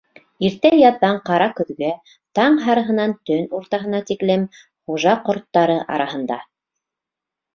Иртә яҙҙан ҡара көҙгә, таң һарыһынан төн уртаһына тиклем хужа ҡорттары араһында.